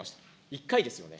１回ですよね。